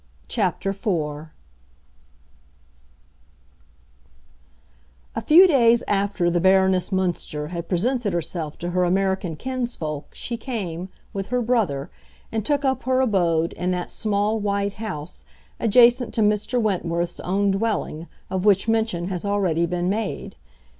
CHAPTER IV A few days after the Baroness Münster had presented herself to her American kinsfolk she came, with her brother, and took up her abode in that small white house adjacent to Mr. Wentworth's own dwelling of which mention has already been made.